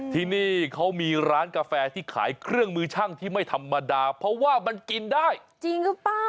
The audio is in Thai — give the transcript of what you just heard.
ที่นี่เขามีร้านกาแฟที่ขายเครื่องมือช่างที่ไม่ธรรมดาเพราะว่ามันกินได้จริงหรือเปล่า